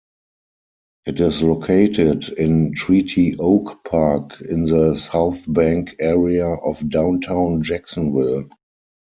It is located in Treaty Oak Park in the Southbank area of Downtown Jacksonville.